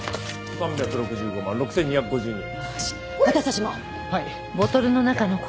３６４万６２５２円！